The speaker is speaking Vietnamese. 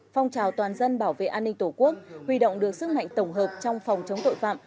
phong trào toàn dân bảo vệ an ninh tổ quốc huy động được sức mạnh tổng hợp trong phòng chống tội phạm